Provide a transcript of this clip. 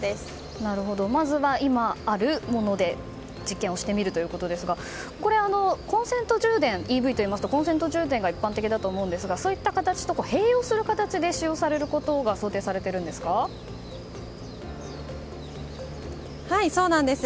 まずは今あるもので実験をしてみるということですがＥＶといいますとコンセント充電が一般的だと思いますがそういった形と併用する形で使用されることがそうなんです。